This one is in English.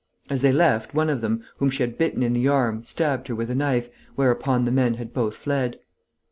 As they left, one of them, whom she had bitten in the arm, stabbed her with a knife, whereupon the men had both fled.